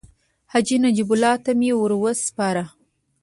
حاجي نجیب الله ته مې ورو سپاره.